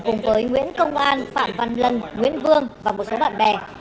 cùng với nguyễn công an phạm văn lân nguyễn vương và một số bạn bè